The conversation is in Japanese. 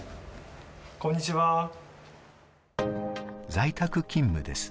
在宅勤務です。